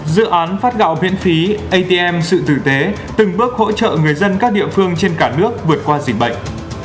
dự án phát gạo miễn phí atm sự tử tế từng bước hỗ trợ người dân các địa phương trên cả nước vượt qua dịch bệnh